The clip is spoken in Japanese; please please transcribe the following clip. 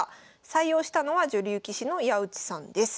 採用したのは女流棋士の矢内さんです。